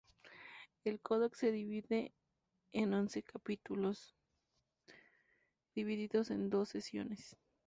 El Codex se divide en once capítulos, divididos en dos secciones.